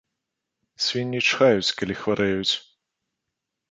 Свінні чхаюць, калі хварэюць!